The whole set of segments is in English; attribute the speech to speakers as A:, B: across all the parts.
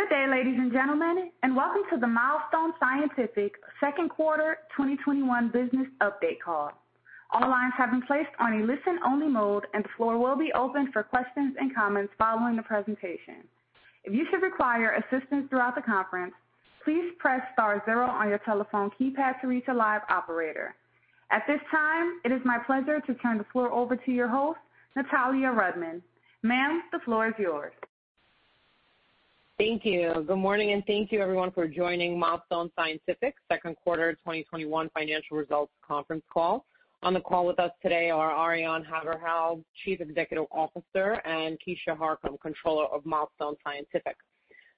A: Good day, ladies and gentlemen, welcome to the Milestone Scientific Q2 2021 business update call. All lines have been placed on a listen-only mode, and the floor will be open for questions and comments following the presentation. If you should require assistance throughout the conference, please press star zero on your telephone keypad to reach a live operator. At this time, it is my pleasure to turn the floor over to your host, Natalia Rudman. Ma'am, the floor is yours.
B: Thank you. Good morning, and thank you everyone for joining Milestone Scientific's Q2 2021 financial results conference call. On the call with us today are Arjan Haverhals, Chief Executive Officer, and Keisha Harcum, Controller of Milestone Scientific.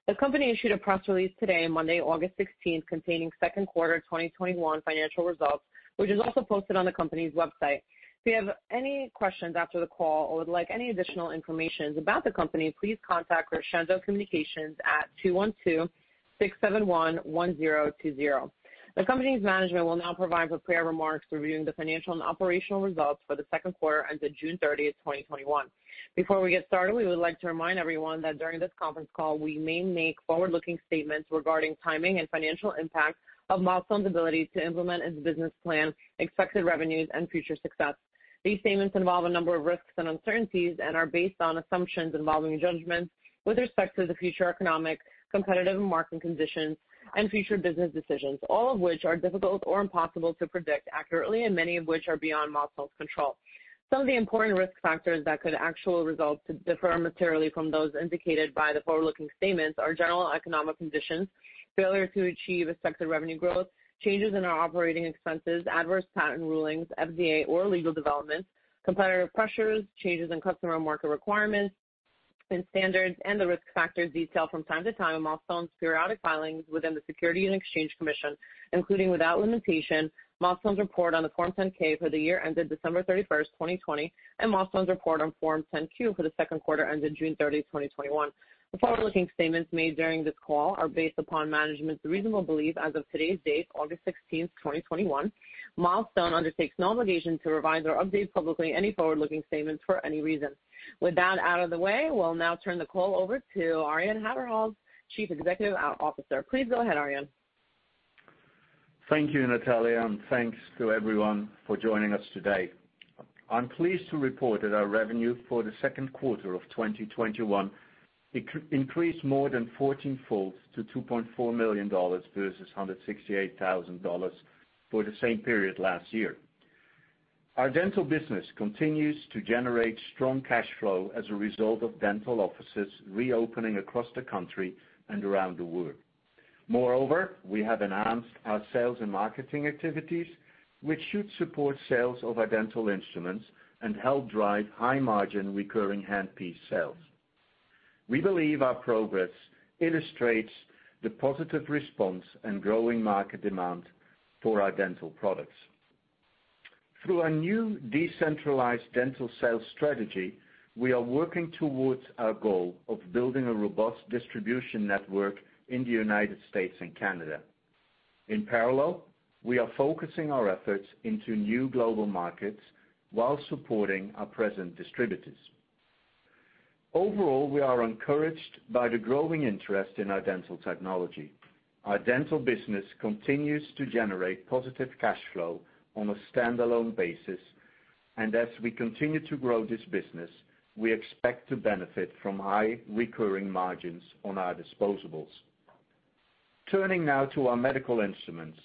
B: The company issued a press release today, Monday, 16 August containing Q2 2021 financial results, which is also posted on the company's website. If you have any questions after the call or would like any additional informations about the company, please contact Crescendo Communications at 212-671-1020. The company's management will now provide prepared remarks reviewing the financial and operational results for the Q2 ended 30 June 2021. Before we get started, we would like to remind everyone that during this conference call, we may make forward-looking statements regarding timing and financial impact of Milestone's ability to implement its business plan, expected revenues, and future success. These statements involve a number of risks and uncertainties and are based on assumptions involving judgments with respect to the future economic, competitive, and market conditions and future business decisions, all of which are difficult or impossible to predict accurately and many of which are beyond Milestone's control. Some of the important risk factors that could actual results to differ materially from those indicated by the forward-looking statements are general economic conditions, failure to achieve expected revenue growth, changes in our operating expenses, adverse patent rulings, FDA or legal developments, competitive pressures, changes in customer and market requirements- -and standards, and the risk factors detailed from time to time in Milestone's periodic filings within the Securities and Exchange Commission, including, without limitation, Milestone's report on the Form 10-K for the year ended 31 December 2020, and Milestone's report on Form 10-Q for the Q2 ended 30 June 2021. The forward-looking statements made during this call are based upon management's reasonable beliefs as of today's date, 16 August 2021. Milestone undertakes no obligation to revise or update publicly any forward-looking statements for any reason. With that out of the way, we'll now turn the call over to Arjan Haverhals, Chief Executive Officer. Please go ahead, Arjan.
C: Thank you, Natalia, and thanks to everyone for joining us today. I'm pleased to report that our revenue for the Q2 of 2021 increased more than 14-fold to $2.4 million versus $168,000 for the same period last year. Our dental business continues to generate strong cash flow as a result of dental offices reopening across the country and around the world. Moreover, we have enhanced our sales and marketing activities, which should support sales of our dental instruments and help drive high-margin recurring handpiece sales. We believe our progress illustrates the positive response and growing market demand for our dental products. Through our new decentralized dental sales strategy, we are working towards our goal of building a robust distribution network in the United States and Canada. In parallel, we are focusing our efforts into new global markets while supporting our present distributors. Overall, we are encouraged by the growing interest in our dental technology. Our dental business continues to generate positive cash flow on a standalone basis, and as we continue to grow this business, we expect to benefit from high recurring margins on our disposables. Turning now to our medical instruments.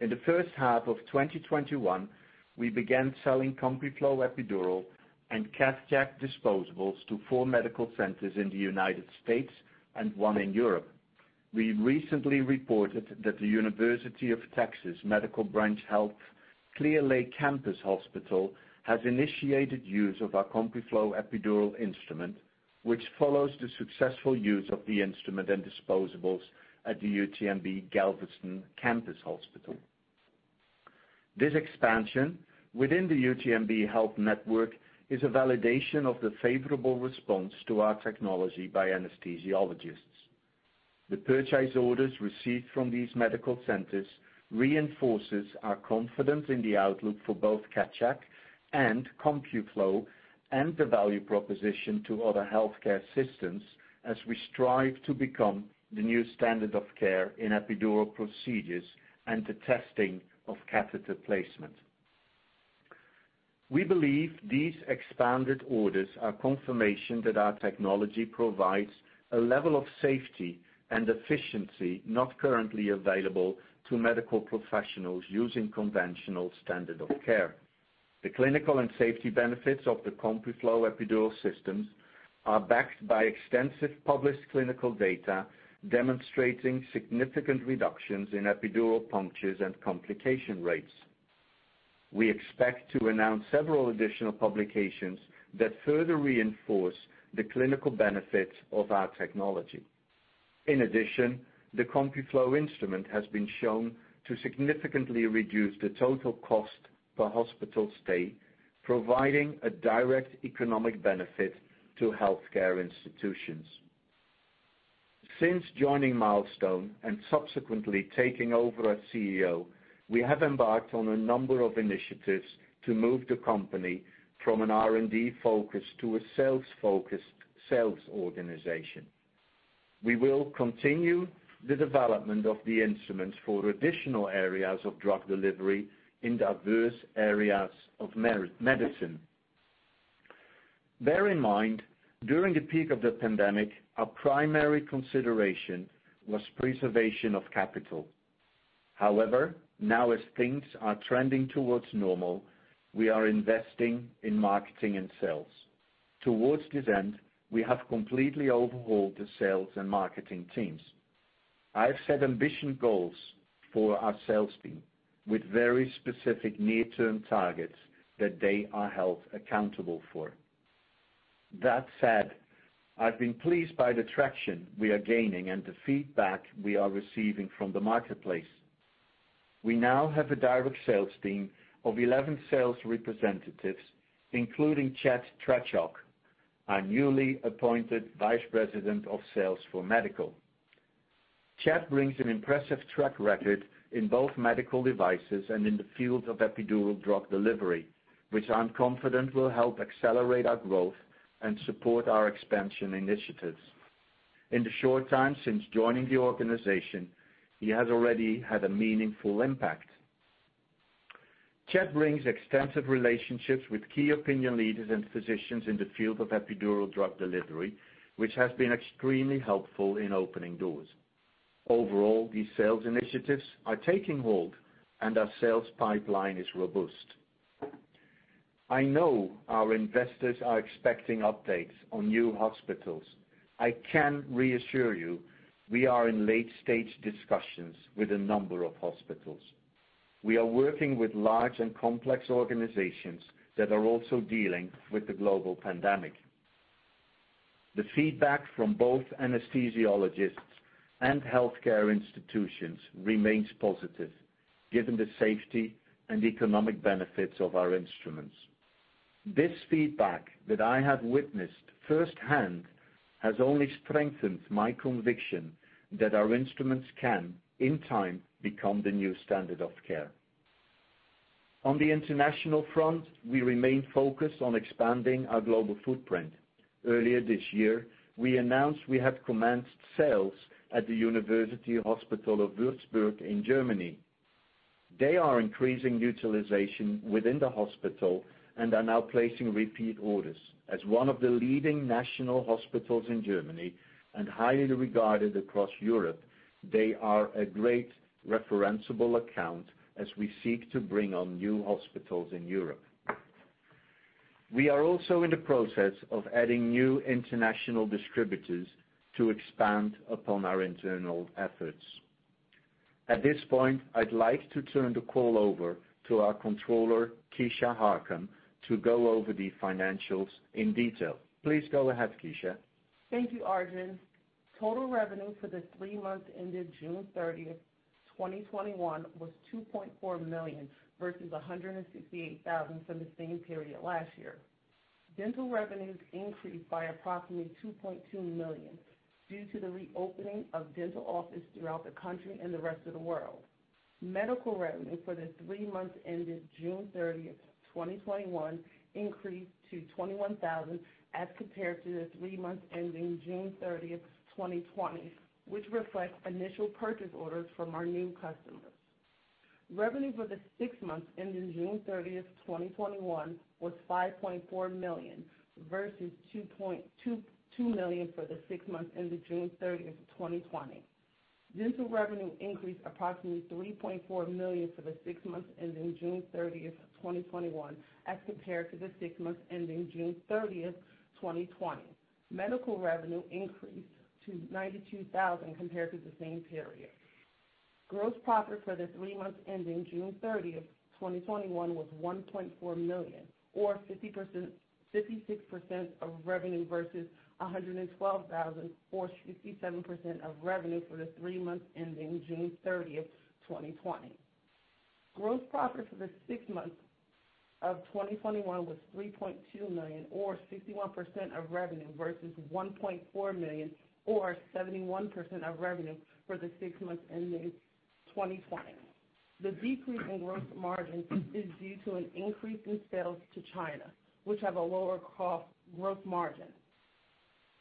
C: In the first half of 2021, we began selling CompuFlo Epidural and CathCheck disposables to four medical centers in the United States and one in Europe. We recently reported that the University of Texas Medical Branch Health Clear Lake Campus Hospital has initiated use of our CompuFlo Epidural Instrument, which follows the successful use of the instrument and disposables at the UTMB Galveston Campus Hospital. This expansion within the UTMB Health network is a validation of the favorable response to our technology by anesthesiologists. The purchase orders received from these medical centers reinforces our confidence in the outlook for both CathCheck and CompuFlo, and the value proposition to other healthcare systems as we strive to become the new standard of care in epidural procedures and the testing of catheter placement. We believe these expanded orders are confirmation that our technology provides a level of safety and efficiency not currently available to medical professionals using conventional standard of care. The clinical and safety benefits of the CompuFlo Epidural Systems are backed by extensive published clinical data demonstrating significant reductions in epidural punctures and complication rates. We expect to announce several additional publications that further reinforce the clinical benefits of our technology. In addition, the CompuFlo instrument has been shown to significantly reduce the total cost per hospital stay, providing a direct economic benefit to healthcare institutions. Since joining Milestone Scientific and subsequently taking over as CEO, we have embarked on a number of initiatives to move the company from an R&D focus to a sales focus, sales organization. We will continue the development of the instruments for additional areas of drug delivery in diverse areas of medicine. Bear in mind, during the peak of the pandemic, our primary consideration was preservation of capital. However, now as things are trending towards normal, we are investing in marketing and sales. Towards this end, we have completely overhauled the sales and marketing teams. I've set ambition goals for our sales team, with very specific near-term targets that they are held accountable for. That said, I've been pleased by the traction we are gaining and the feedback we are receiving from the marketplace. We now have a direct sales team of 11 sales representatives, including Chet Trechock, our newly appointed Vice President of Sales for Medical. Chet brings an impressive track record in both medical devices and in the field of epidural drug delivery, which I'm confident will help accelerate our growth and support our expansion initiatives. In the short time since joining the organization, he has already had a meaningful impact. Chet brings extensive relationships with key opinion leaders and physicians in the field of epidural drug delivery, which has been extremely helpful in opening doors. Overall, these sales initiatives are taking hold, and our sales pipeline is robust. I know our investors are expecting updates on new hospitals. I can reassure you, we are in late-stage discussions with a number of hospitals. We are working with large and complex organizations that are also dealing with the global pandemic. The feedback from both anesthesiologists and healthcare institutions remains positive, given the safety and economic benefits of our instruments. This feedback that I have witnessed firsthand has only strengthened my conviction that our instruments can, in time, become the new standard of care. On the international front, we remain focused on expanding our global footprint. Earlier this year, we announced we have commenced sales at the University Hospital of Würzburg in Germany. They are increasing utilization within the hospital and are now placing repeat orders. As one of the leading national hospitals in Germany and highly regarded across Europe, they are a great referenceable account as we seek to bring on new hospitals in Europe. We are also in the process of adding new international distributors to expand upon our internal efforts. At this point, I'd like to turn the call over to our Controller, Keisha Harcum, to go over the financials in detail. Please go ahead, Keisha.
D: Thank you, Arjan. Total revenue for the three months ending 30 June 2021 was $2.4 million, versus $168,000 for the same period last year. Dental revenues increased by approximately $2.2 million due to the reopening of dental offices throughout the country and the rest of the world. Medical revenue for the three months ending 30 June 2021 increased to $21,000 as compared to the three months ending 30 June 2020, which reflects initial purchase orders from our new customers. Revenue for the six months ending 30 June 2021 was $5.4 million, versus $2.2 million for the six months ending 30 June 2020. Dental revenue increased approximately $3.4 million for the six months ending 30 June 2021 as compared to the six months ending 30 June 2020. Medical revenue increased to $92,000 compared to the same period. Gross profit for the three months ending 30 June 2021 was $1.4 million, or 56% of revenue, versus $112,000, or 67% of revenue for the three months ending 30 June 2020. Gross profit for the six months of 2021 was $3.2 million, or 61% of revenue, versus $1.4 million, or 71% of revenue, for the six months ending 2020. The decrease in gross margin is due to an increase in sales to China, which have a lower cost gross margin.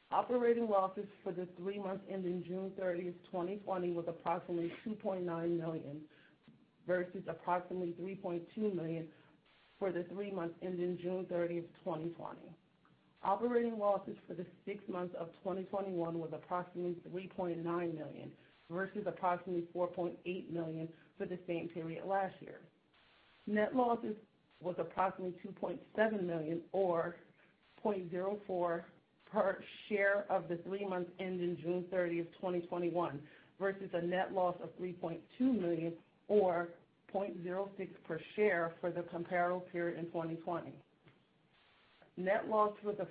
D: Operating losses for the three months ending 30 June 2020 was approximately $2.9 million, versus approximately $3.2 million for the three months ending 30 June 2020. Operating losses for the six months of 2021 was approximately $3.9 million, versus approximately $4.8 million for the same period last year. Net losses was approximately $2.7 million, or $0.04 per share of the three months ending 30 June 2021, versus a net loss of $3.2 million or $0.06 per share for the comparable period in 2020. Net loss for the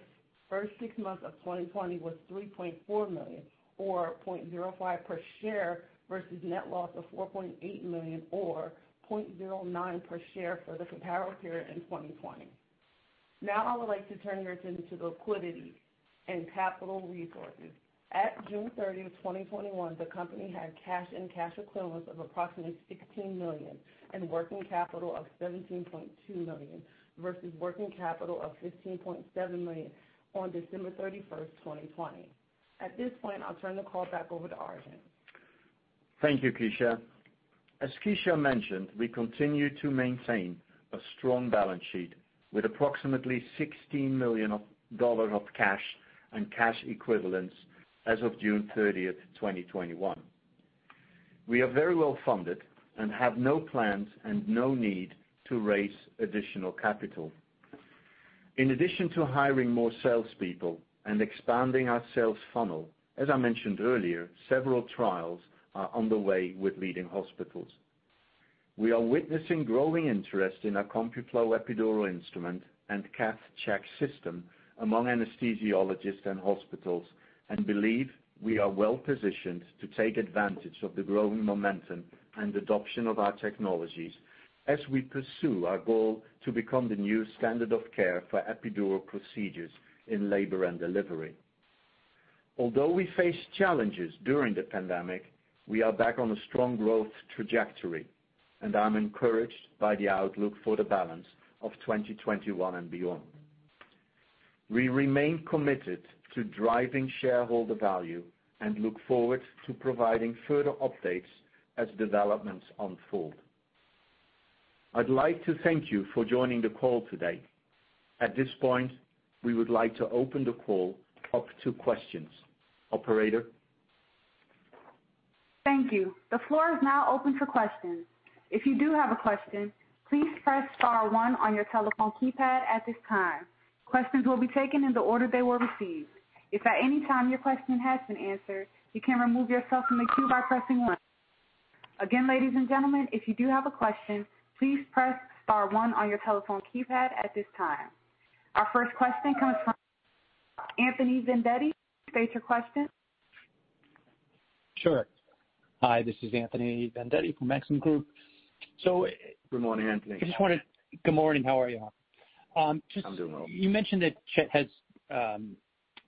D: first six months of 2020 was $3.4 million or $0.05 per share, versus net loss of $4.8 million or $0.09 per share for the comparable period in 2020. Now I would like to turn your attention to liquidity and capital resources. At June 30, 2021, the company had cash and cash equivalents of approximately $16 million and working capital of $17.2 million, versus working capital of $15.7 million on 31 December 2020. At this point, I'll turn the call back over to Arjan.
C: Thank you, Keisha. As Keisha mentioned, we continue to maintain a strong balance sheet, with approximately $16 million of cash and cash equivalents as of 30 June 2021. We are very well-funded and have no plans and no need to raise additional capital. In addition to hiring more salespeople and expanding our sales funnel, as I mentioned earlier, several trials are underway with leading hospitals. We are witnessing growing interest in our CompuFlo Epidural Instrument and CathCheck system among anesthesiologists and hospitals and believe we are well-positioned to take advantage of the growing momentum and adoption of our technologies as we pursue our goal to become the new standard of care for epidural procedures in labor and delivery. Although we faced challenges during the pandemic, we are back on a strong growth trajectory, and I'm encouraged by the outlook for the balance of 2021 and beyond. We remain committed to driving shareholder value and look forward to providing further updates as developments unfold. I'd like to thank you for joining the call today. At this point, we would like to open the call up to questions. Operator?
A: Thank you. The floor is now open for questions. If you do have a question, please press star one on your telephone keypad at this time. Questions will be taken in the order they were received. If at any time your question has been answered, you can remove yourself from the queue by pressing one. Again, ladies and gentlemen, if you do have a question, please press star one on your telephone keypad at this time. Our first question comes from Anthony Vendetti. State your question.
E: Sure. Hi, this is Anthony Vendetti from Maxim Group.
C: Good morning, Anthony.
E: Good morning. How are you?
C: I'm doing well.
E: You mentioned that Chet has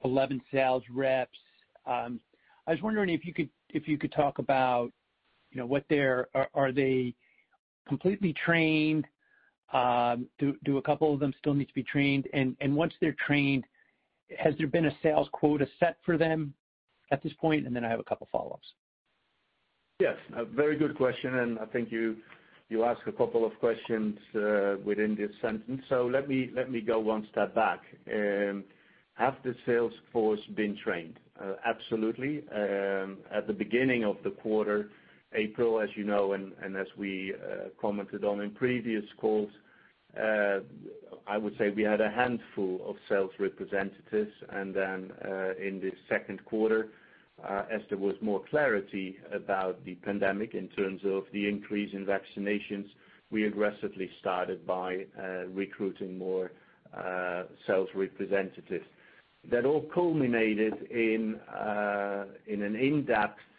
E: 11 sales reps. I was wondering if you could talk about are they completely trained? Do a couple of them still need to be trained? Once they're trained, has there been a sales quota set for them at this point? I have a couple of follow-ups.
C: Yes, a very good question, and I think you asked two questions within this sentence so let me go one step back. Has the sales force been trained? Absolutely. At the beginning of the quarter, April, as you know and as we commented on in previous calls- I would say we had one handful of sales representatives, then in the Q2, as there was more clarity about the pandemic in terms of the increase in vaccinations, we aggressively started by recruiting more sales representatives. That all culminated in an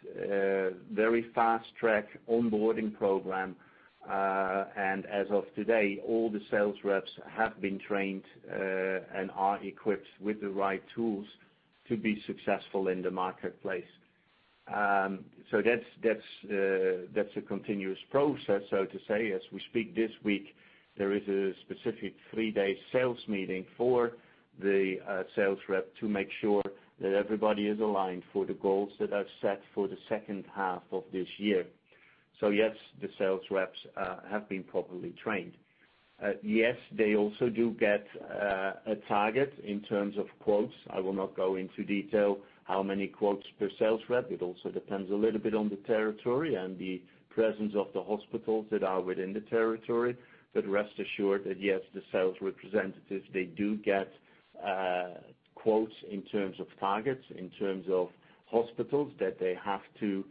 C: in-depth, very fast-track onboarding program. As of today, all the sales reps have been trained and are equipped with the right tools to be successful in the marketplace. That's a continuous process, so to say as we speak this week, there is a specific three-day sales meeting for the sales rep to make sure that everybody is aligned for the goals that are set for the second half of this year. Yes, the sales reps have been properly trained. Yes, they also do get a target in terms of quotes. I will not go into detail how many quotes per sales rep it also depends a little bit on the territory and the presence of the hospitals that are within the territory. Rest assured that yes, the sales representatives, they do get quotes in terms of targets, in terms of hospitals that they have to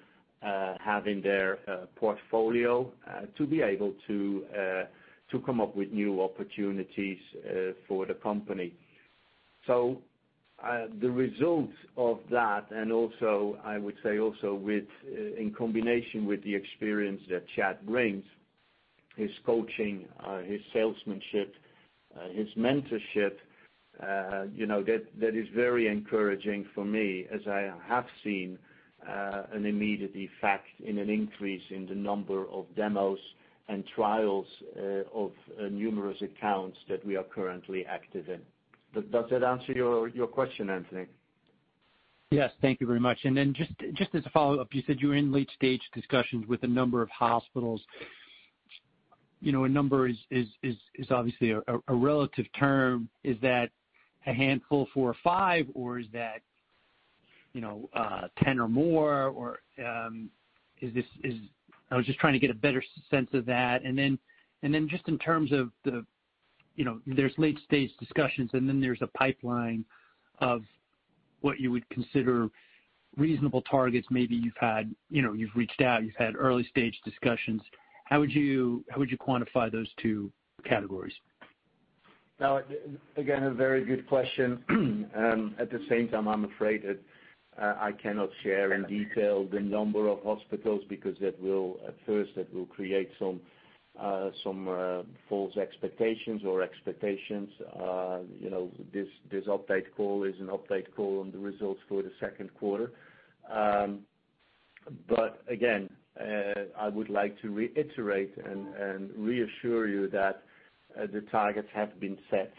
C: have in their portfolio to be able to come up with new opportunities for the company. The results of that, and also, I would say also in combination with the experience that Chet brings, his coaching, his salesmanship, his mentorship, that is very encouraging for me as I have seen an immediate effect in an increase in the number of demos and trials of numerous accounts that we are currently active in. Does that answer your question, Anthony?
E: Yes. Thank you very much. Then just as a follow-up, you said you were in late-stage discussions with a number of hospitals. A number is obviously a relative term. Is that a handful, four or five, or is that 10 or more? I was just trying to get a better sense of that and then just in terms of the, there's late-stage discussions, and then there's a pipeline of what you would consider reasonable targets maybe you've reached out, you've had early-stage discussions. How would you quantify those two categories?
C: Again, a very good question. At the same time, I'm afraid that I cannot share in detail the number of hospitals, because at first that will create some false expectations or expectations. This update call is an update call on the results for the Q2. Again, I would like to reiterate and reassure you that the targets have been set.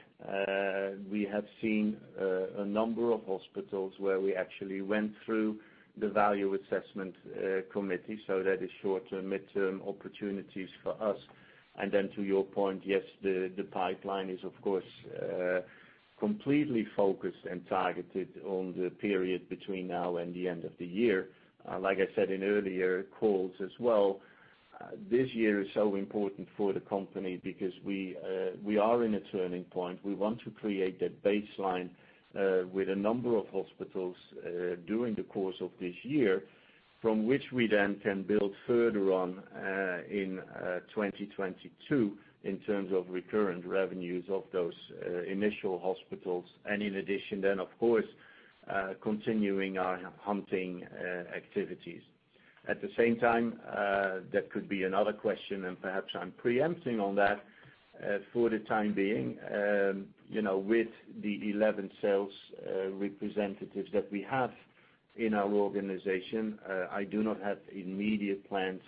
C: We have seen a number of hospitals where we actually went through the Value Analysis Committee, that is short-term, mid-term opportunities for us. To your point, yes, the pipeline is of course, completely focused and targeted on the period between now and the end of the year. Like I said in earlier calls as well, this year is so important for the company because we are in a turning point we want to create that baseline with a number of hospitals, during the course of this year, from which we then can build further on in 2022, in terms of recurrent revenues of those initial hospitals, in addition, of course, continuing our hunting activities. At the same time, that could be another question, and perhaps I'm preempting on that. For the time being, with the 11 sales representatives that we have in our organization, I do not have immediate plans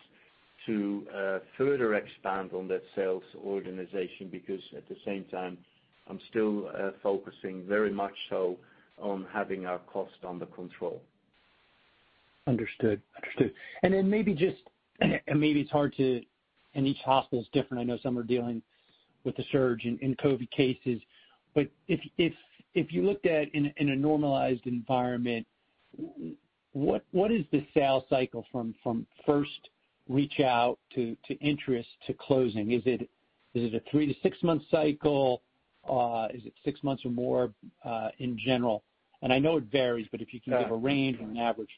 C: to further expand on that sales organization, because at the same time, I'm still focusing very much so on having our cost under control.
E: Understood. Maybe it's hard to and each hospital's different, I know some are dealing with the surge in COVID cases. If you looked at, in a normalized environment, what is the sales cycle from first reach out to interest to closing? Is it a three to six month cycle? Is it six months or more, in general? I know it varies, but if you can give a range or an average.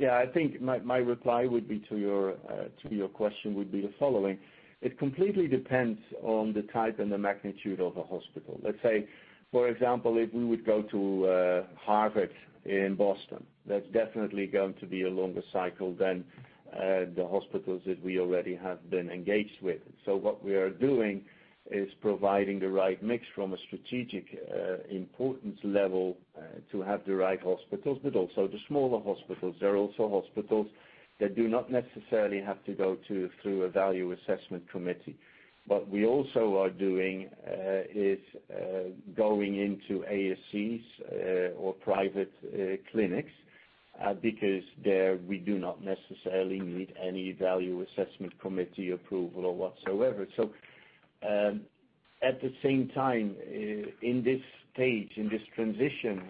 C: Yeah, I think my reply to your question would be the following. It completely depends on the type and the magnitude of a hospital let's say, for example, if we would go to Harvard in Boston. That's definitely going to be a longer cycle than the hospitals that we already have been engaged with so what we are doing is providing the right mix from a strategic importance level to have the right hospitals, but also the smaller hospitals there are also hospitals that do not necessarily have to go through a Value Analysis Committee. What we also are doing is going into ASCs or private clinics, because there we do not necessarily need any Value Analysis Committee approval whatsoever. At the same time, in this stage, in this transition,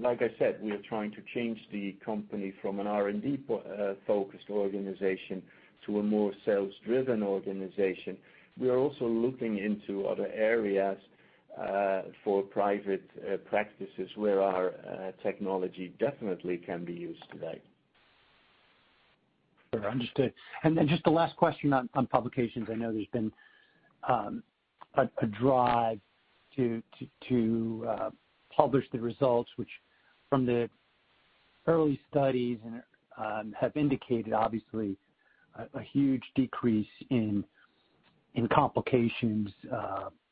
C: like I said, we are trying to change the company from an R&D-focused organization to a more sales-driven organization. We are also looking into other areas, for private practices where our technology definitely can be used today.
E: Sure. Understood. Just the last question on publications i know there's been a drive to publish the results, which from the early studies have indicated, obviously, a huge decrease in complications,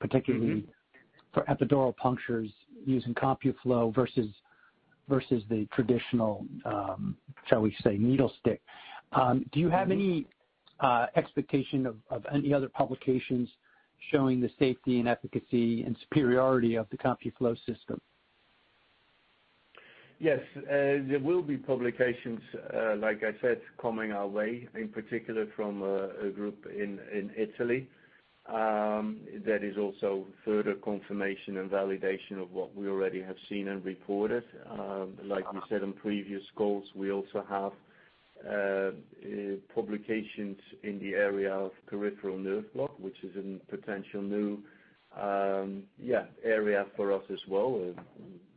E: particularly. For epidural punctures using CompuFlo versus the traditional, shall we say, needle stick. Do you have any expectation of any other publications showing the safety and efficacy and superiority of the CompuFlo system?
C: Yes. There will be publications, like I said, coming our way, in particular from a group in Italy. That is also further confirmation and validation of what we already have seen and reported. Like we said on previous calls, we also have publications in the area of peripheral nerve block, which is a potential new area for us as well,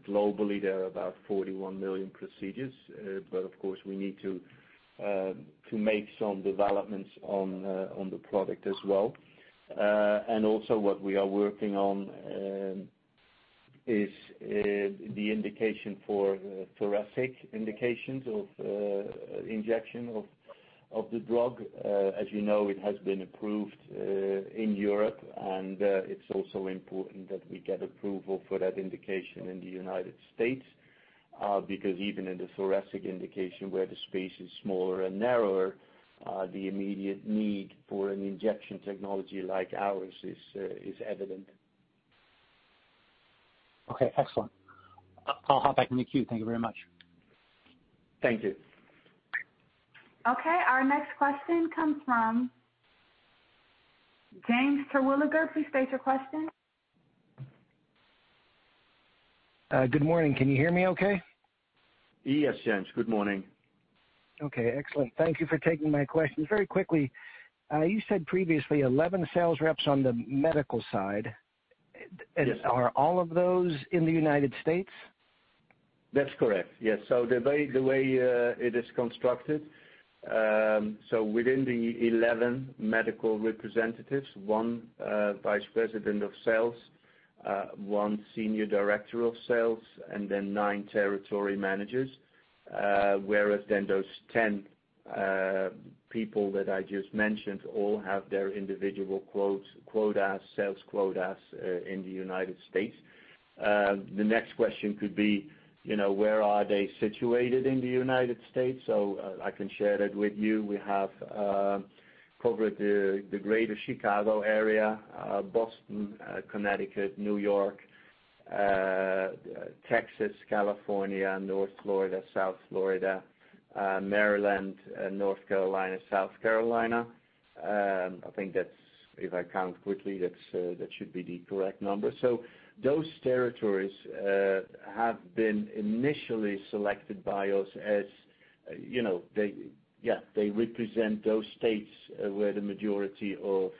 C: globally, there are about 41 million procedures, of course, we need to make some developments on the product as well. Also what we are working on is the indication for thoracic indications of injection of the drug. As you know, it has been approved in Europe, and it's also important that we get approval for that indication in the United States. Even in the thoracic indication, where the space is smaller and narrower, the immediate need for an injection technology like ours is evident.
E: Okay. Excellent. I'll hop back in the queue thank you very much.
C: Thank you.
A: Okay, our next question comes from James Terwilliger. Please state your question.
F: Good morning. Can you hear me okay?
C: Yes, James. Good morning.
F: Okay. Excellent thank you for taking my questions very quickly, you said previously 11 sales reps on the medical side.
C: Yes.
F: Are all of those in the United States?
C: That's correct. Yes. The way it is constructed, so within the 11 medical representatives, one vice president of sales, one senior director of sales, and then nine territory managers. Those 10 people that I just mentioned all have their individual sales quotas in the United States. The next question could be, where are they situated in the United States? I can share that with you we have covered the greater Chicago area, Boston, Connecticut, New York, Texas, California, North Florida, South Florida, Maryland, North Carolina, South Carolina. I think if I count quickly, that should be the correct number. Those territories have been initially selected by us as, they represent those states where the majority of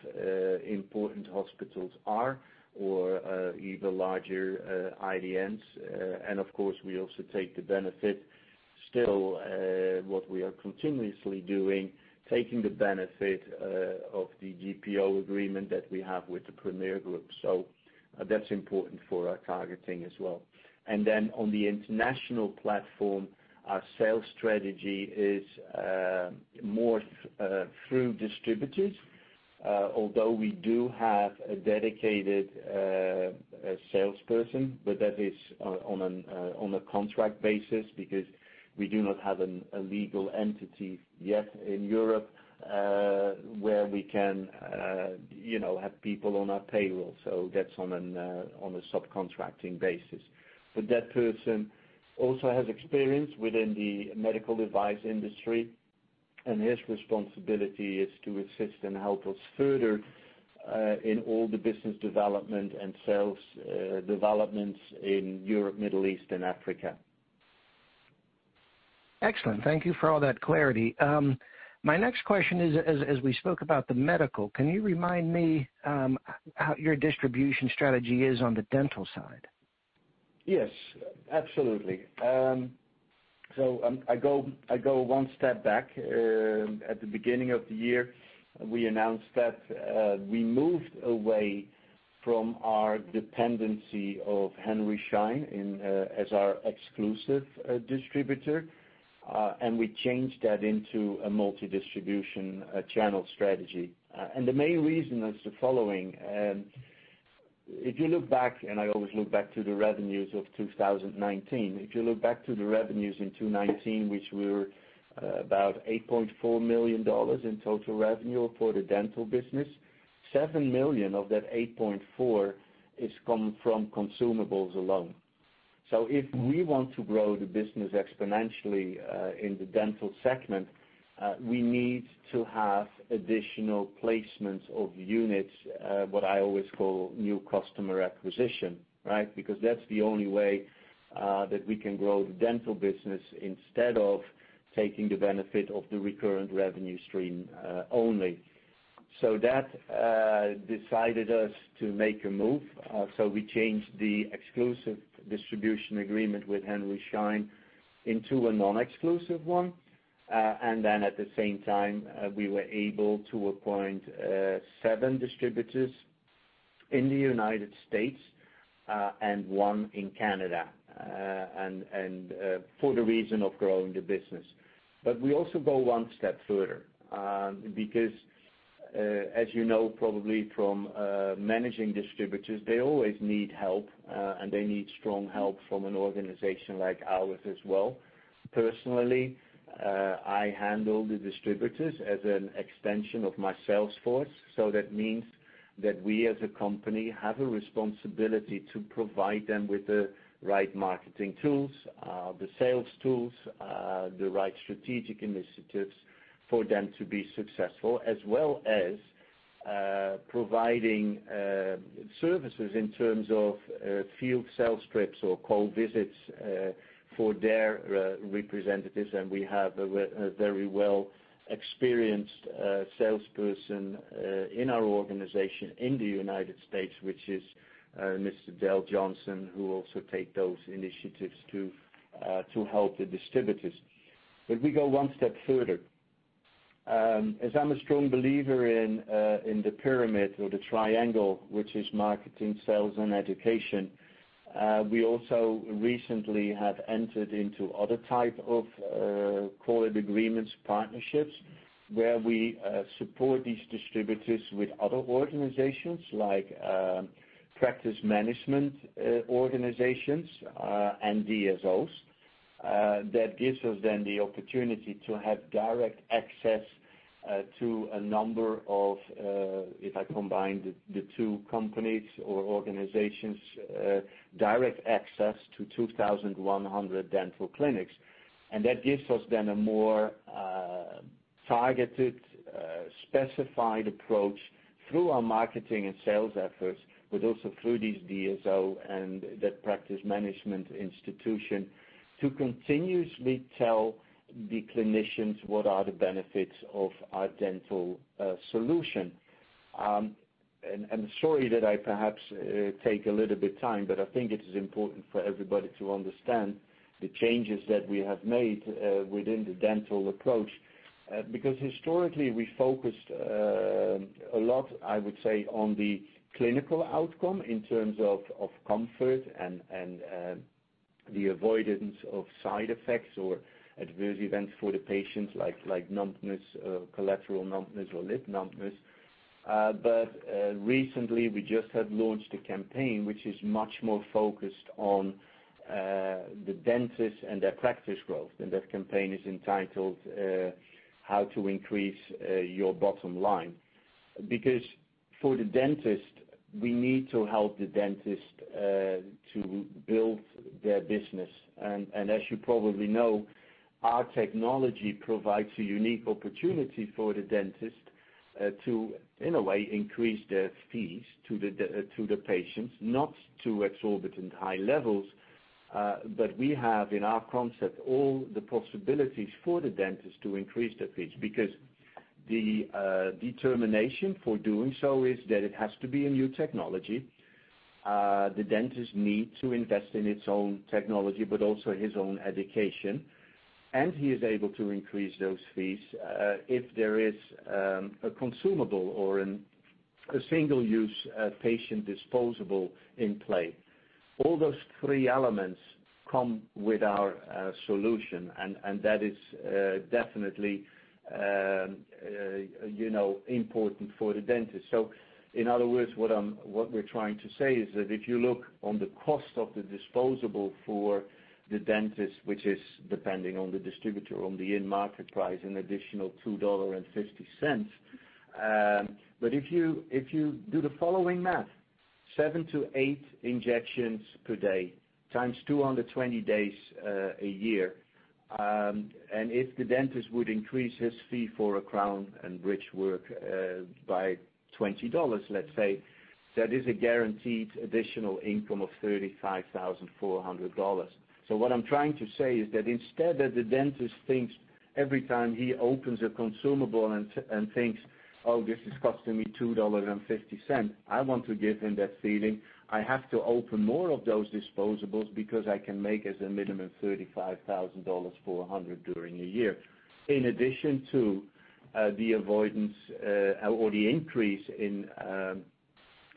C: important hospitals are, or even larger IDNs. Of course, we also take the benefit, still what we are continuously doing, taking the benefit of the GPO agreement that we have with the Premier group. That's important for our targeting as well. Then on the international platform, our sales strategy is more through distributors. Although we do have a dedicated salesperson, but that is on a contract basis because we do not have a legal entity yet in Europe, where we can have people on our payroll that's on a subcontracting basis. That person also has experience within the medical device industry, and his responsibility is to assist and help us further, in all the business development and sales developments in Europe, Middle East, and Africa.
F: Excellent thank you for all that clarity. My next question is, as we spoke about the medical, can you remind me, how your distribution strategy is on the dental side?
C: Yes, absolutely. I go one step back. At the beginning of the year, we announced that we moved away from our dependency of Henry Schein as our exclusive distributor, and we changed that into a multi-distribution channel strategy. The main reason is the following. If you look back, and I always look back to the revenues of 2019, if you look back to the revenues in 2019, which were about $8.4 million in total revenue for the dental business, $7 million of that $8.4 comes from consumables alone. If we want to grow the business exponentially, in the dental segment, we need to have additional placements of units, what I always call new customer acquisition, right? Because that's the only way that we can grow the dental business instead of taking the benefit of the recurrent revenue stream only. That decided us to make a move. We changed the exclusive distribution agreement with Henry Schein into a non-exclusive one. At the same time, we were able to appoint seven distributors in the U.S., and one in Canada, for the reason of growing the business. We also go one step further, because, as you know, probably from managing distributors, they always need help, and they need strong help from an organization like ours as well. Personally, I handle the distributors as an extension of my sales force so that means that we as a company have a responsibility to provide them with the right marketing tools, the sales tools, the right strategic initiatives for them to be successful, as well as- -providing services in terms of field sales trips or call visits, for their representatives and we have a very well-experienced salesperson in our organization in the United States, which is Mr. Dale Johnson, who also take those initiatives to help the distributors. We go one step further. As I'm a strong believer in the pyramid or the triangle, which is marketing, sales, and education, we also recently have entered into other type of, call it agreements, partnerships, where we support these distributors with other organizations, like practice management organizations, and DSOs. That gives us then the opportunity to have direct access to a number of, if I combine the two companies or organizations, direct access to 2,100 dental clinics. That gives us then a more targeted, specified approach through our marketing and sales efforts, but also through these DSOs and that practice management institution to continuously tell the clinicians what are the benefits of our dental solution. Sorry that I perhaps take a little bit of time, but I think it is important for everybody to understand the changes that we have made within the dental approach. Historically, we focused a lot, I would say, on the clinical outcome in terms of comfort and the avoidance of side effects or adverse events for the patients, like numbness, collateral numbness, or lip numbness. Recently, we just have launched a campaign, which is much more focused on the dentist and their practice growth that campaign is entitled, "How to Increase Your Bottom Line." For the dentist, we need to help the dentist to build their business. As you probably know, our technology provides a unique opportunity for the dentist to, in a way, increase their fees to the patients, not to exorbitant high levels. That we have, in our concept, all the possibilities for the dentist to increase their fees, because the determination for doing so is that it has to be a new technology. The dentist need to invest in its own technology, but also his own education. And he is able to increase those fees, if there is a consumable or a single-use patient disposable in play. All those three elements come with our solution, and that is definitely important for the dentist. In other words, what we're trying to say is that if you look on the cost of the disposable for the dentist, which is depending on the distributor, on the end market price, an additional $2.50. If you do the following math, seven to eight injections per day, times 220 days a year, and if the dentist would increase his fee for a crown and bridge work by $20, let's say, that is a guaranteed additional income of $35,400. What I'm trying to say is that instead that the dentist thinks every time he opens a consumable and thinks, "Oh, this is costing me $2.50." I want to give him that feeling, I have to open more of those disposables because I can make as a minimum $35,400 during a year. In addition to the avoidance, or the increase in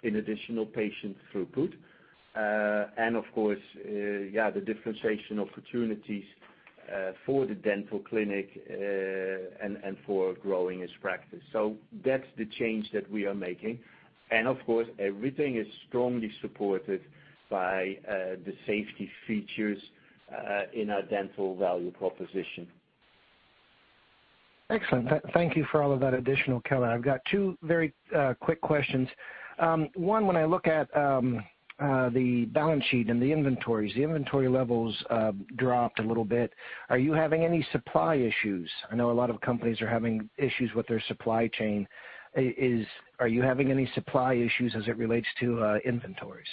C: additional patient throughput. And of course, the differentiation opportunities for the dental clinic and for growing his practice so, that's the change that we are making. And of course, everything is strongly supported by the safety features in our dental value proposition.
F: Excellent. Thank you for all of that additional color i've got two very quick questions. One, when I look at the balance sheet and the inventories, the inventory levels dropped a little bit. Are you having any supply issues? I know a lot of companies are having issues with their supply chain. Are you having any supply issues as it relates to inventories?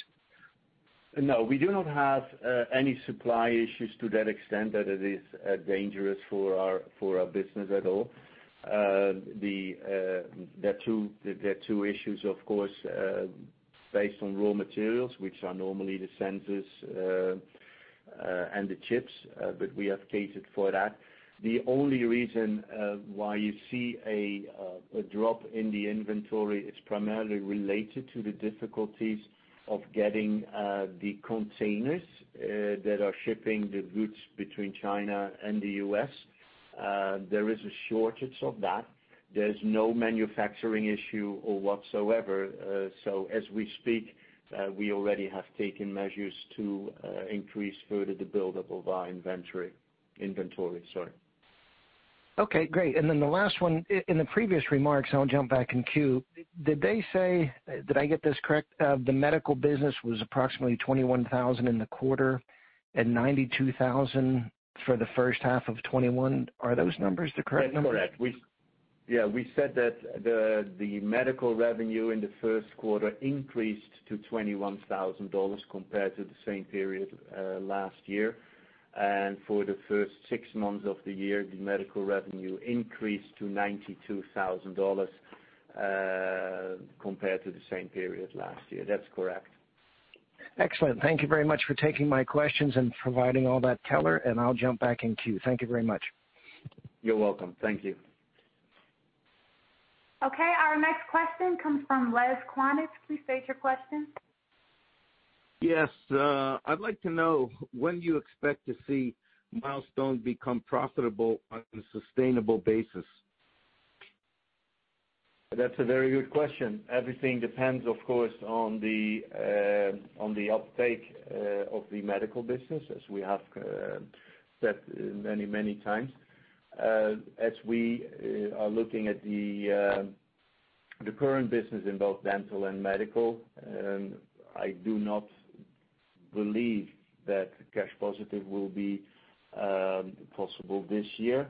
C: No we do not have any supply issues to that extent that it is dangerous for our business at all. There are two issues, of course, based on raw materials, which are normally the sensors and the chips, but we have catered for that. The only reason why you see a drop in the inventory is primarily related to the difficulties of getting the containers that are shipping the goods between China and the U.S. There is a shortage of that. There's no manufacturing issue or whatsoever as we speak, we already have taken measures to increase further the build-up of our inventory.
F: Okay, great and the last one, in the previous remarks, I'll jump back in queue. Did they say, did I get this correct? The medical business was approximately $21,000 in the quarter? and $92,000 for the first half of 2021? are those numbers the correct numbers?
C: That's correct yeah, we said that the medical revenue in the Q1 increased to $21,000 compared to the same period last year. For the first six months of the year, the medical revenue increased to $92,000, compared to the same period last year that's correct.
F: Excellent. Thank you very much for taking my questions and providing all that color and i'll jump back in queue. Thank you very much.
C: You're welcome. Thank you.
A: Okay, our next question comes from Les Quanich. Please state your question.
G: Yes. I'd like to know when you expect to see Milestone become profitable on a sustainable basis.
C: That's a very good question. Everything depends, of course, on the uptake of the medical business, as we have said many times. As we are looking at the current business in both dental and medical, I do not believe that cash positive will be possible this year.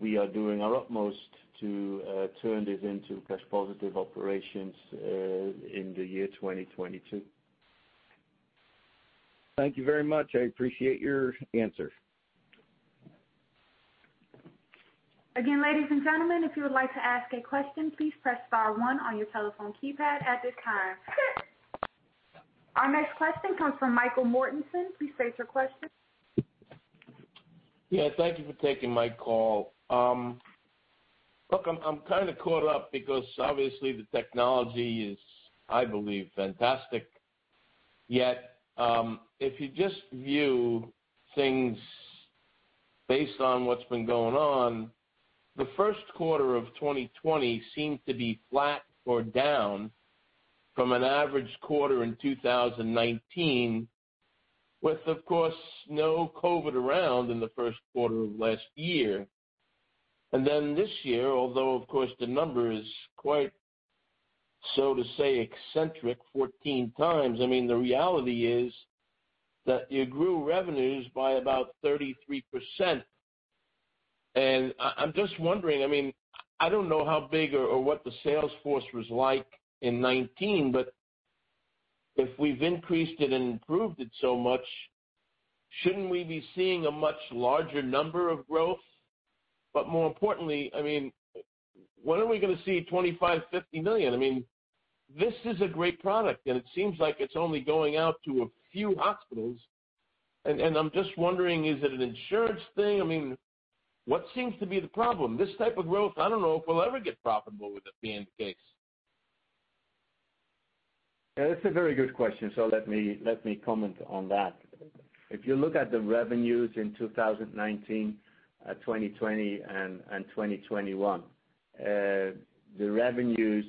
C: We are doing our utmost to turn this into cash positive operations in the year 2022.
G: Thank you very much. I appreciate your answer.
A: Again, ladies and gentlemen, if you would like to ask a question, please press star one on your telephone keypad at this time. Our next question comes from Michael Mortenson. Please state your question.
H: Yeah. Thank you for taking my call. Look, I'm kind of caught up because obviously the technology is, I believe, fantastic. Yet, if you just view things based on what's been going on, the Q1 of 2020 seemed to be flat or down from an average quarter in 2019, with, of course, no COVID around in the Q1 of last year. Then this year, although, of course, the number is quite, so to say, eccentric, 14 times, I mean, the reality is that you grew revenues by about 33%. I'm just wondering, I don't know how big or what the sales force was like in 2019? but if we've increased it and improved it so much, shouldn't we be seeing a much larger number of growth? More importantly, when are we going to see $25 million, $50 million? I mean- This is a great product, and it seems like it's only going out to a few hospitals, and I'm just wondering, is it an insurance thing? What seems to be the problem this type of growth, I don't know if we'll ever get profitable with that being the case.
C: Yeah that's a very good question, so let me comment on that. If you look at the revenues in 2019, 2020, and 2021. The revenues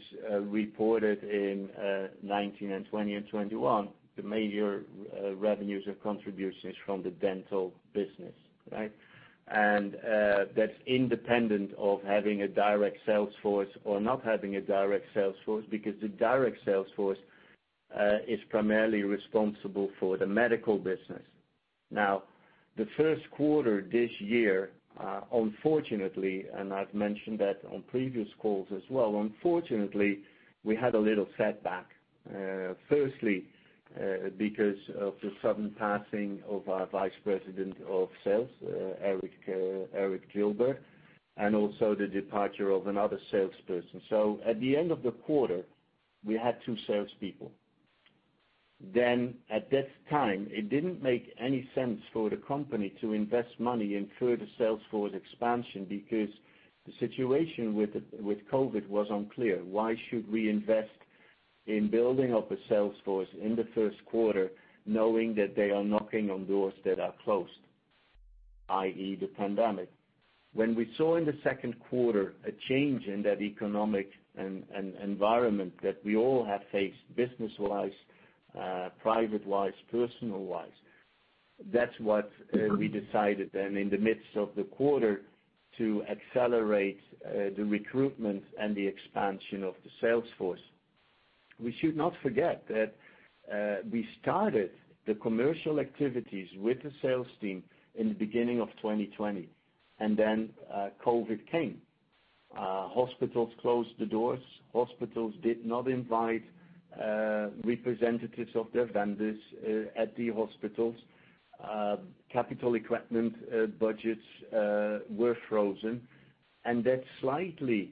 C: reported in 2019 and 2020 and 2021, the major revenues or contributions from the dental business. That's independent of having a direct sales force or not having a direct sales force, because the direct sales force is primarily responsible for the medical business. Now, the Q1 this year, unfortunately, and I've mentioned that on previous calls as well, unfortunately, we had a little setback. Firstly, because of the sudden passing of our Vice President of Sales, Eric Gilbert, and also the departure of another salesperson so at the end of the quarter, we had two salespeople. At that time, it didn't make any sense for the company to invest money in further sales force expansion because the situation with COVID was unclear. Why should we invest? in building up a sales force in the Q1 knowing that they are knocking on doors that are closed, i.e., the pandemic. When we saw in the Q2 a change in that economic environment that we all have faced business-wise, private-wise, personal-wise, that's what we decided then in the midst of the quarter to accelerate the recruitment and the expansion of the sales force. We should not forget that we started the commercial activities with the sales team in the beginning of 2020, and then COVID came. Hospitals closed the doors. Hospitals did not invite representatives of their vendors at the hospitals. Capital equipment budgets were frozen. That slightly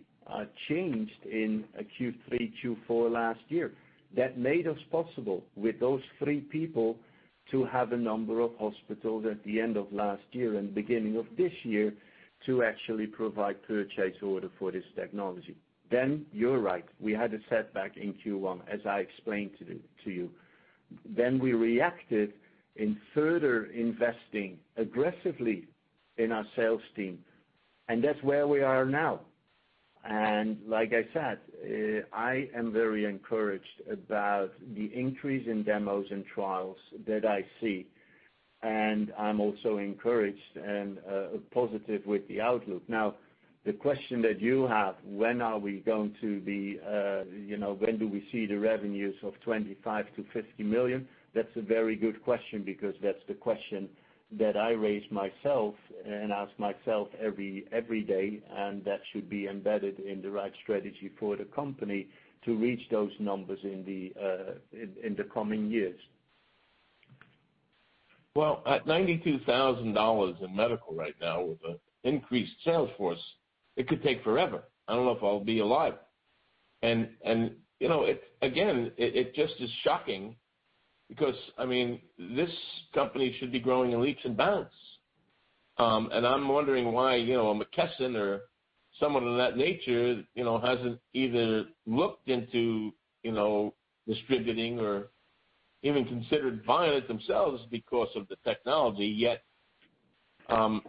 C: changed in Q3, Q4 last year. That made us possible, with those three people, to have a number of hospitals at the end of last year and beginning of this year to actually provide purchase order for this technology. You're right, we had a setback in Q1, as I explained to you. Then we reacted in further investing aggressively in our sales team, and that's where we are now. Like I said, I am very encouraged about the increase in demos and trials that I see, and I'm also encouraged and positive with the outlook now, the question that you have, when do we see the revenues of $25 million-$50 million? That's a very good question because that's the question that I raise myself and ask myself every day, and that should be embedded in the right strategy for the company to reach those numbers in the coming years.
H: Well, at $92,000 in medical right now with the increased sales force, it could take forever. I don't know if I'll be alive. Again, it just is shocking because this company should be growing in leaps and bounds. I'm wondering why a McKesson or someone of that nature hasn't even looked into distributing or even considered buying it themselves because of the technology yet. I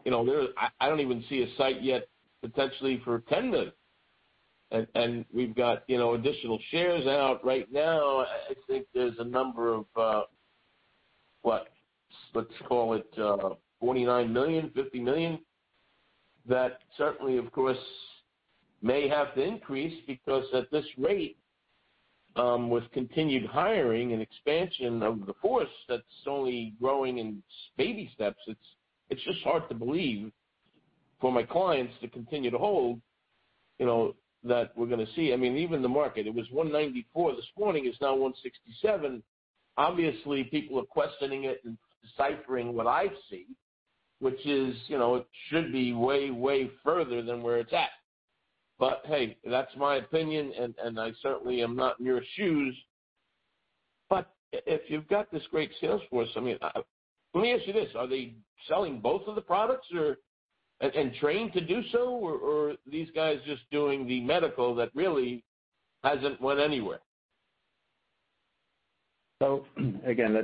H: don't even see a site yet potentially for tender. We've got additional shares out right now i think there's a number of, what? Let's call it $49 million, $50 million. That certainly, of course, may have to increase because at this rate, with continued hiring and expansion of the force that's only growing in baby steps, it's just hard to believe for my clients to continue to hold, that we're going to see even the market, it was $194 this morning, it's now $167. Obviously people are questioning it and deciphering what I see, which is, it should be way further than where it's at. But hey, that's my opinion, and I certainly am not in your shoes. But if you've got this great sales force, let me ask you this, are they selling both of the products and trained to do so? or are these guys just doing the medical that really hasn't went anywhere?
C: Again,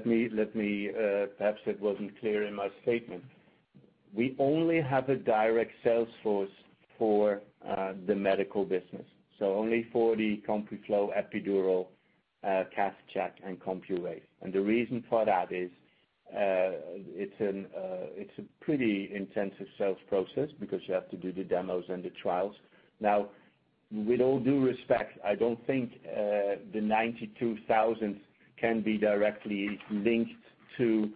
C: perhaps it wasn't clear in my statement. We only have a direct sales force for the medical business. Only for the CompuFlo, Epidural, CathCheck, and CompuWave. The reason for that is, it's a pretty intensive sales process because you have to do the demos and the trials. Now, with all due respect, I don't think the $92,000 can be directly linked to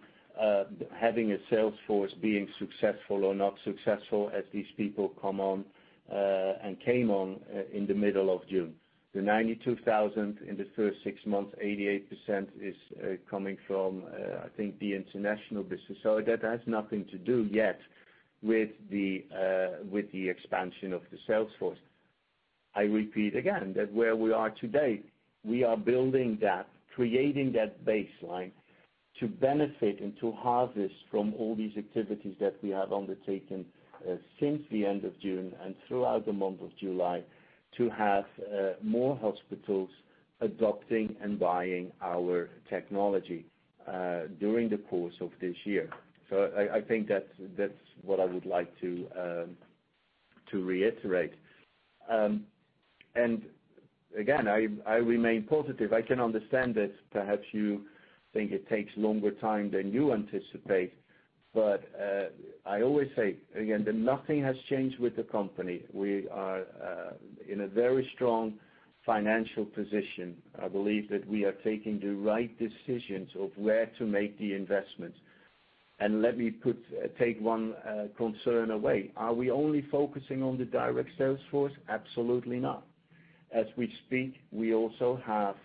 C: having a sales force being successful or not successful as these people come on and came on in the middle of June. The $92,000 in the first six months, 88% is coming from, I think, the international business that has nothing to do yet with the- -expansion of the sales force. I repeat again, that where we are today, we are building that, creating that baseline to benefit and to harvest from all these activities that we have undertaken since the end of June and throughout the month of July to have more hospitals adopting and buying our technology during the course of this year. I think that's what I would like to reiterate. Again, I remain positive i can understand that perhaps you think it takes longer time than you anticipate. I always say, again, that nothing has changed with the company we are in a very strong financial position. I believe that we are taking the right decisions of where to make the investments. Let me take one concern away. Are we only focusing on the direct sales force? Absolutely not. As we speak, we also have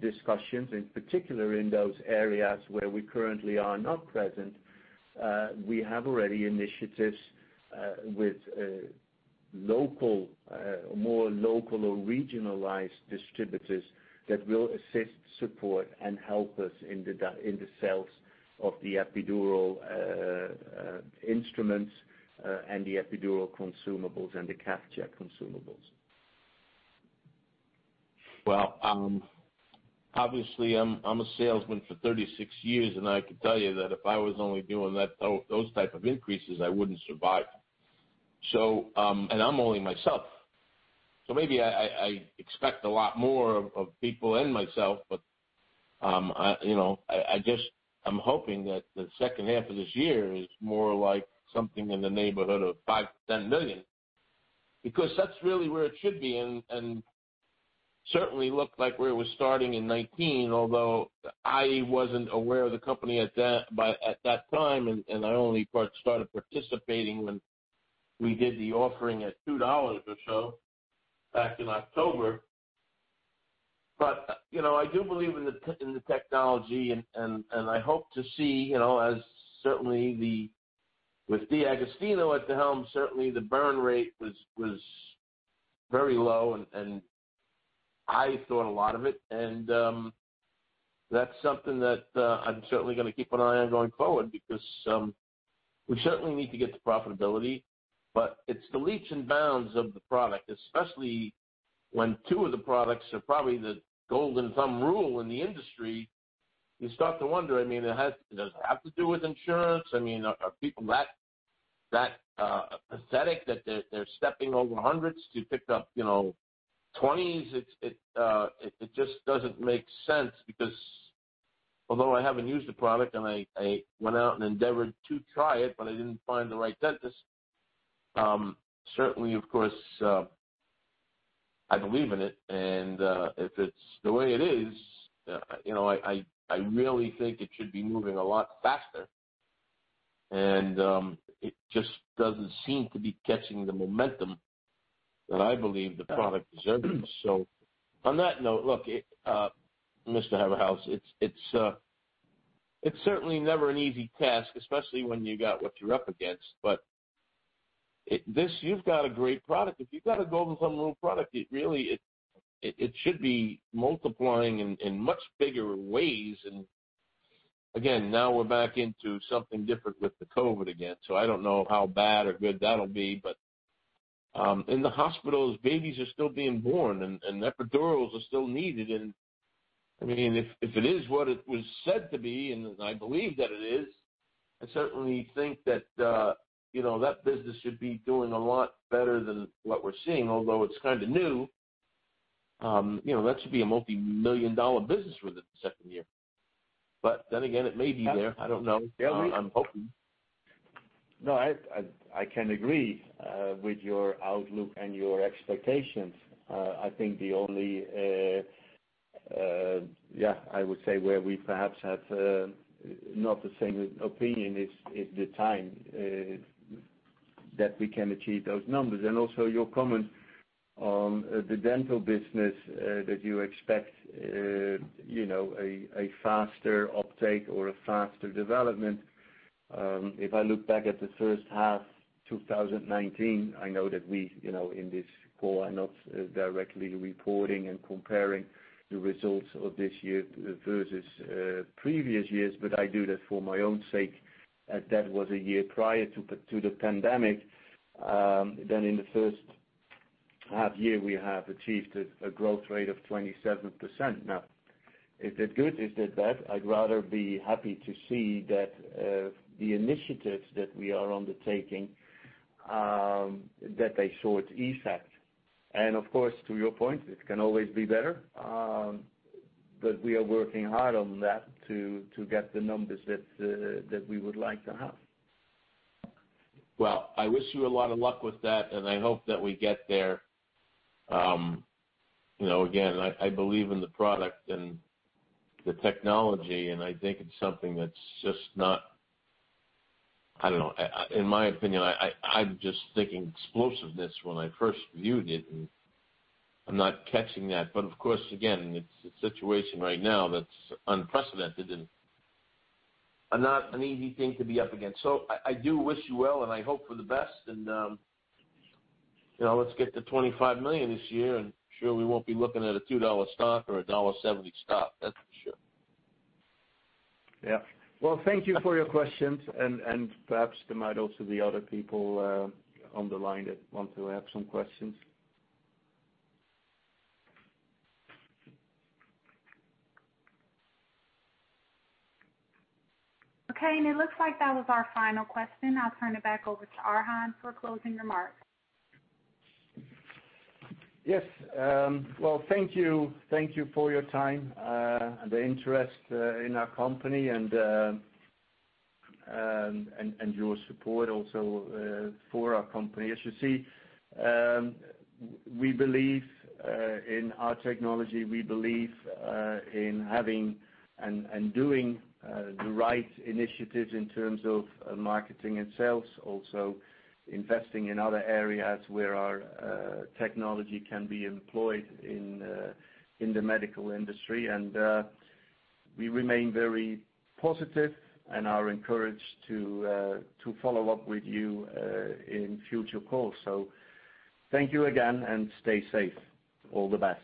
C: discussions, in particular in those areas where we currently are not present. We have already initiatives with more local or regionalized distributors that will assist, support, and help us in the sales of the epidural instruments and the epidural consumables and the CathCheck consumables.
H: Well, obviously, I'm a salesman for 36 years and i can tell you that if I was only doing those type of increases, I wouldn't survive. I'm only myself. Maybe I expect a lot more of people and myself, but I'm hoping that the second half of this year is more like something in the neighborhood of $5 million-$10 million. That's really where it should be and certainly looked like where it was starting in 2019 although, i wasn't aware of the company at that time, and I only started participating when we did the offering at $2 or so back in October. I do believe in the technology and I hope to see, as certainly with D'Agostino at the helm, certainly the burn rate was very low, and I thought a lot of it. That's something that I'm certainly going to keep an eye on going forward because we certainly need to get to profitability. It's the leaps and bounds of the product especially, when two of the products are probably the golden thumb rule in the industry, you start to wonder does it have to do with insurance? Are people that pathetic that they're stepping over 100's to pick up 20's? It just doesn't make sense because- -although I haven't used the product and I went out and endeavored to try it, but I didn't find the right dentist. Certainly, of course, I believe in it, and if it's the way it is, I really think it should be moving a lot faster, and it just doesn't seem to be catching the momentum that I believe the product deserves so, on that note, look, Mr. Haverhals, it's certainly never an easy task, especially when you got what you're up against, but you've got a great product if you've got a golden thumb rule product, it should be multiplying in much bigger ways. Again, now we're back into something different with the COVID again i don't know how bad or good that'll be. In the hospitals, babies are still being born and epidurals are still needed. If it is what it was said to be, and I believe that it is, I certainly think that business should be doing a lot better than what we're seeing although it's kind of new. That should be a multimillion-dollar business within the second year. Again, it may be there. I don't know. I'm hoping.
C: No, I can agree with your outlook and your expectations. I think the only, I would say where we perhaps have not the same opinion is the time that we can achieve those numbers and your comment on the dental business that you expect a faster uptake or a faster development. If I look back at the first half 2019, I know that we, in this call, are not directly reporting and comparing the results of this year versus previous years, but I do that for my own sake. That was a year prior to the pandemic. In the first half-year, we have achieved a growth rate of 27%. Is that good? Is that bad? I'd rather be happy to see that the initiatives that we are undertaking, that they showed effect. And of course to your point, it can always be better. We are working hard on that to get the numbers that we would like to have.
H: Well, I wish you a lot of luck with that, and I hope that we get there. Again, I believe in the product and the technology, and I think it's something that's just not I don't know in my opinion, I'm just thinking explosiveness when I first viewed it, and I'm not catching that but of course, again, it's a situation right now that's unprecedented and not an easy thing to be up against so i do wish you well, and I hope for the best, and let's get to $25 million this year, and I'm sure we won't be looking at a $2 stock or a $1.70 stock. That's for sure.
C: Yeah. Well, thank you for your questions, and perhaps there might also be other people on the line that want to ask some questions.
A: Okay, it looks like that was our final question. I'll turn it back over to Arjan for closing remarks.
C: Yes. Well, thank you. Thank you for your time, the interest in our company, and your support also for our company as you see, we believe in our technology, we believe in having and doing the right initiatives in terms of marketing and sales also investing in other areas where our technology can be employed in the medical industry. We remain very positive and are encouraged to follow up with you in future calls. Thank you again, and stay safe. All the best.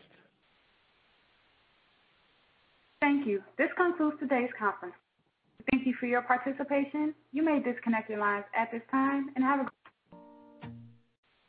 A: Thank you. This concludes today's conference. Thank you for your participation. You may disconnect your lines at this time.